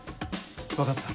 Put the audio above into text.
分かった。